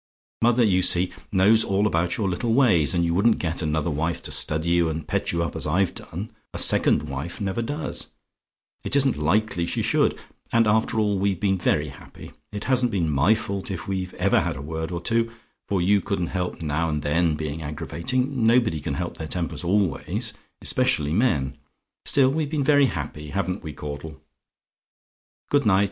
"Mother, you see, knows all your little ways; and you wouldn't get another wife to study you and pet you up as I've done a second wife never does; it isn't likely she should. And after all, we've been very happy. It hasn't been my fault if we've ever had a word or two, for you couldn't help now and then being aggravating; nobody can help their tempers always, especially men. Still we've been very happy, haven't we, Caudle? "Good night.